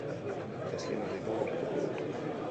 Eski nordikoa gustuko du.